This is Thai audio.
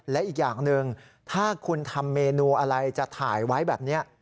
และอีกอย่างหนึ่งถ้าคุณทำเมนูอะไรจะถ่ายไว้แบบนี้